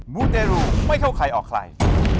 มูเตรูไม่เข้าใครออกใคร